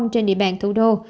trên địa bàn thủ đô